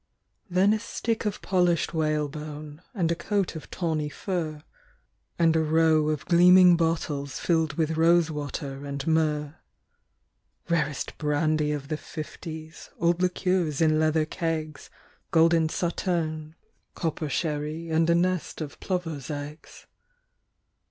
Then a stick of polished whalebone And a coat of tawny fur, And a row of gleaming bottles Filled with rose water and myrrh. Rarest brandy of the fifties, Old liqueurs in leather kegs, Golden Sauterne, copper sherry And a nest of plover's eggs.